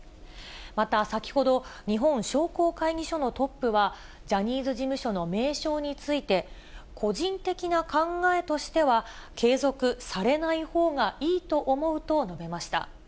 また先ほど、日本商工会議所のトップは、ジャニーズ事務所の名称について、個人的な考えとしては、継続されないほうがいいと思うと述べました。